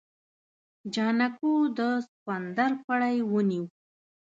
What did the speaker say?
جانکو د سخوندر پړی ونيو.